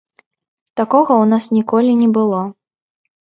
Такога ў нас ніколі не было.